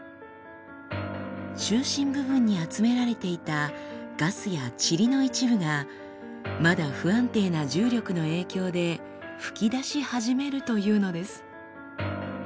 中心部分に集められていたガスや塵の一部がまだ不安定な重力の影響で噴き出し始めるというのです。